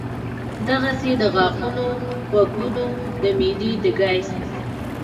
دغسې د غاښونو ، غوږونو ، د معدې د ګېس ،